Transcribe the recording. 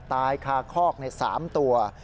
ตายคาคอก๓ตัว